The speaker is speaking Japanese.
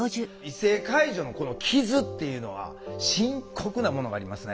異性介助のこの傷っていうのは深刻なものがありますね。